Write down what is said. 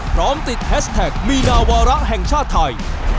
พร้อมติดแฮชแท็กมีดาววาระแห่งชาติไทย